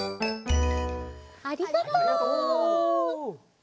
ありがとう！